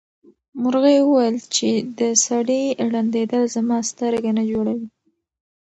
مرغۍ وویل چې د سړي ړندېدل زما سترګه نه جوړوي.